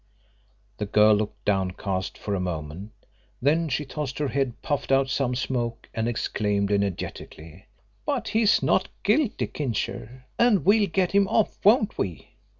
The girl looked downcast for a moment, then she tossed her head, puffed out some smoke, and exclaimed energetically, "But he's not guilty, Kincher, and we'll get him off, won't we?"